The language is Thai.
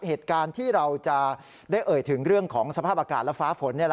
เหตุการณ์ที่เราจะได้เอ่ยถึงเรื่องของสภาพอากาศและฟ้าฝน